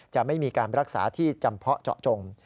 จะไม่มีการรักษาที่จำเพาะเจาะจง